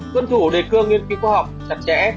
tuân thủ đề cương nghiên cứu khoa học chặt chẽ